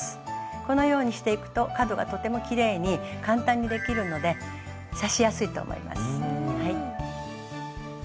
このようにしていくと角がとてもきれいに簡単にできるので刺しやすいと思います。